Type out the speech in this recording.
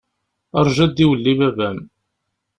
Rju ad d-iwelli baba-m.